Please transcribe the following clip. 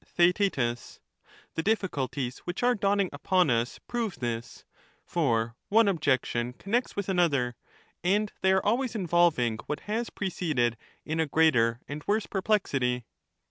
Theaet The difficulties which are dawning upon us prove this ; for one objection connects with another, and they are alwa3rs involving what has preceded in a greater and worse perplexity.